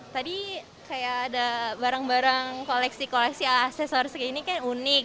tadi kayak ada barang barang koleksi koleksi aksesoris kayak gini kan unik